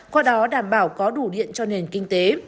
qua đó đảm bảo có đủ điện cho nền kinh tế